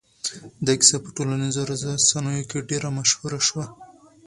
دا کيسه په ټولنيزو رسنيو کې ډېره مشهوره شوه.